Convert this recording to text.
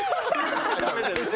ダメです。